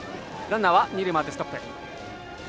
ランナーは二塁でストップ。